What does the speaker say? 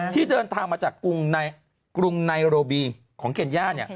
ที่เดินทางมาจากกรุงไนโรบีของเคนย่า